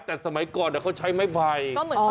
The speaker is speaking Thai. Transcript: แต่สมัยก่อนเขาใช้ไม้ไผ่